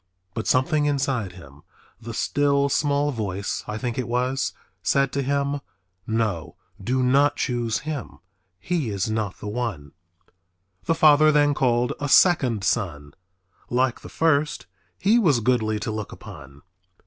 But something inside him, "the still small voice" I think it was, said to him, "No, do not choose him, he is not the one." The father then called a second son. Like the first he was goodly to look upon.